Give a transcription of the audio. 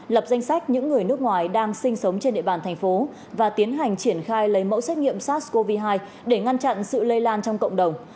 lập danh sách những người nước ngoài đang sinh sống trên địa bàn thành phố và tiến hành triển khai lấy mẫu xét nghiệm sars cov hai để ngăn chặn sự lây lan trong cộng đồng